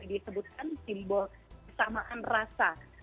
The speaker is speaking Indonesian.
disebutkan simbol kesamaan rasa